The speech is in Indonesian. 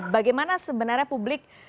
bagaimana sebenarnya publik